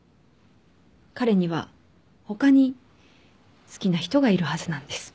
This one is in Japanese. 彼には他に好きな人がいるはずなんです。